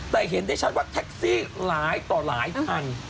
แต่เห็นได้ชัดว่าแท็กซี่หลายต่อหลายคัน